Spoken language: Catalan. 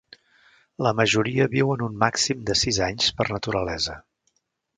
La majoria viuen un màxim de sis anys per naturalesa.